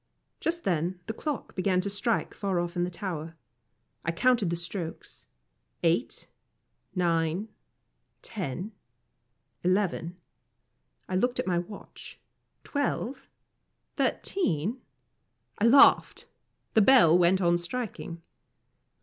Just then the clock began to strike far off in the tower. I counted the strokes eight nine ten eleven I looked at my watch twelve thirteen I laughed. The bell went on striking.